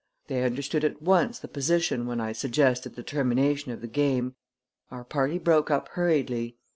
"They understood at once the position when I suggested the termination of the game. Our party broke up hurriedly.